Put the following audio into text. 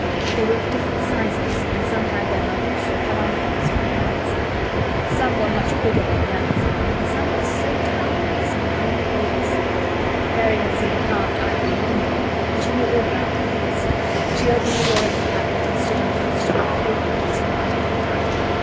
They were of different sizes, and some had their mahouts or palanquins on their backs. Some were much bigger than the others and some were so tiny that they seemed only babies. Mary had seen carved ivory in India and she knew all about elephants. She opened the door of the cabinet and stood on a footstool and played with these for quite a long time.